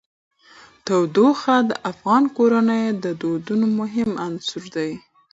تودوخه د افغان کورنیو د دودونو مهم عنصر دی.